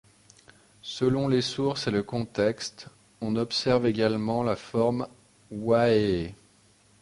Selon les sources et le contexte, on observe également la forme Wahehe.